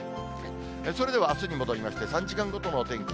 それではあすに戻りまして、３時間ごとのお天気。